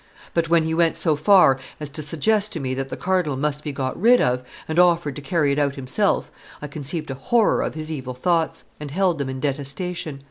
But when he went so far as to suggest to me that the cardinal must be got rid of, and offered to carry it out himself, I conceived a horror of his evil thoughts, and held them in detestation.